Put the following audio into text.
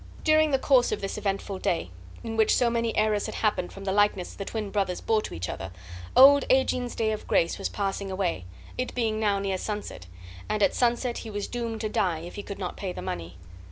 During the course of this eventful day, in which so many errors had happened from the likeness the twin brothers bore to each other, old Aegeon's day of grace was passing away, it being now near sunset; and at sunset he was doomed to die if he could not pay the money.